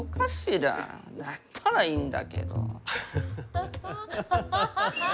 だったらいいんだけど。ハハハハ。